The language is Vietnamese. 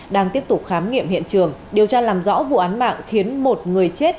đang tiếp tục khám nghiệm hiện trường điều tra làm rõ vụ án mạng khiến một người chết